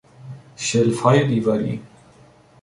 شلفهای دیواری